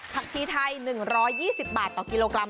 ผักชีไทยหนึ่งร้อยยี่สิบบาทต่อกิโลกรัม